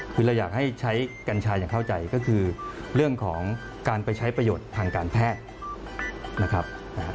คือเราอยากให้ใช้กัญชาอย่างเข้าใจก็คือเรื่องของการไปใช้ประโยชน์ทางการแพทย์นะครับ